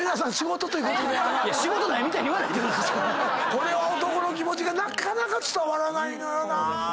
これは男の気持ちがなかなか伝わらないのよなぁ！